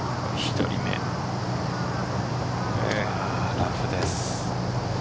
ラフです。